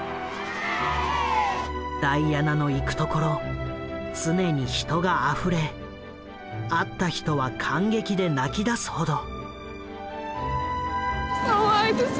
ダイアナの行くところ常に人があふれ会った人は感激で泣きだすほど。